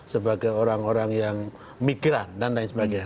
sebagai orang orang yang migran dan lain sebagainya